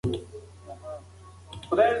ارزښتونه پېژنئ.